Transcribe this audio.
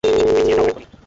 পিছিয়ে যাও, এখনই!